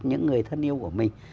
những người thân yêu của mình